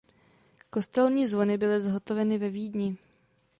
Kostelní zvony byly zhotoveny ve Vídni.